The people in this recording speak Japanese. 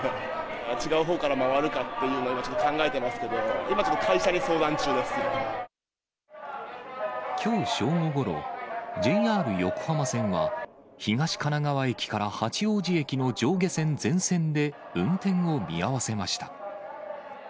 違うほうから回るかっていうのをちょっと考えてますけど、今ちょきょう正午ごろ、ＪＲ横浜線は、東神奈川駅から八王子駅の上下線全線で運転を見合わせました。